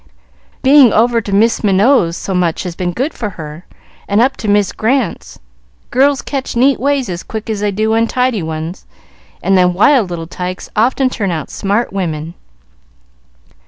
"Being over to Mis Minot's so much has been good for her, and up to Mis Grant's. Girls catch neat ways as quick as they do untidy ones, and them wild little tykes often turn out smart women."